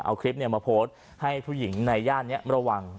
ตัวคลิปเนี่ยมาโพสต์ให้ผู้หญิงในย่านเนี่ยมาระวัง